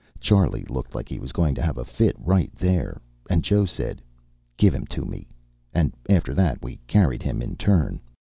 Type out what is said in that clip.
Charley looked like he was going to have a fit right there, and Joe said, "Give him to me." And after that we carried him in turn.